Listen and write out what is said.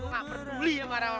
gue nggak peduli sama orang lain